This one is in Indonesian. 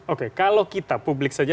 oke kalau kita publik saja